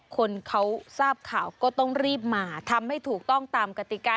คนเขาทราบข่าวก็ต้องรีบมาทำให้ถูกต้องตามกติกา